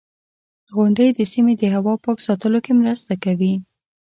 • غونډۍ د سیمې د هوا پاک ساتلو کې مرسته کوي.